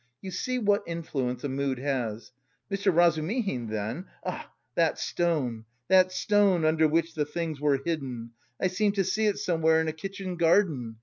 You see what influence a mood has! Mr. Razumihin then ah, that stone, that stone under which the things were hidden! I seem to see it somewhere in a kitchen garden.